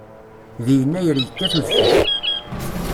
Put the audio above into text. Deg yennayer yekkat udfel.